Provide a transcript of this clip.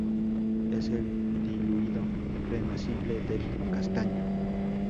Es el diluido crema simple del castaño.